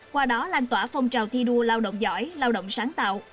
qua đó lan tỏa phong trào thi đua lao động giỏi lao động sáng tạo